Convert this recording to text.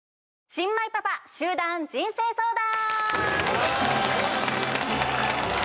新米パパ集団人生相談！